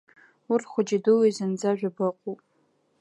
Урҭ хәыҷидуи зынӡа жәаба ыҟоуп.